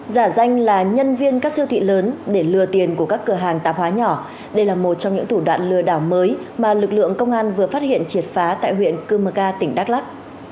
giả danh là nhân viên các siêu thị lớn để lừa tiền của các cửa hàng tạp hóa nhỏ đây là một trong những thủ đoạn lừa đảo mới mà lực lượng công an vừa phát hiện triệt phá tại huyện cư mơ ga tỉnh đắk lắc